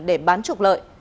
để bán trục lợi